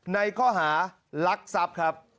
ในข้อหารักทรัพย์ครับ